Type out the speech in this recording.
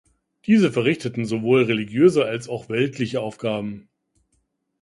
Diese verrichteten sowohl religiöse als auch weltliche Aufgaben.